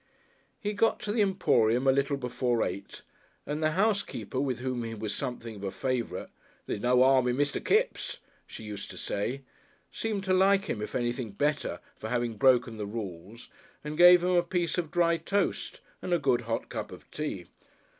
He got to the Emporium a little before eight and the housekeeper with whom he was something of a favourite ("There's no harm in Mr. Kipps," she used to say) seemed to like him if anything better for having broken the rules and gave him a piece of dry toast and a good hot cup of tea.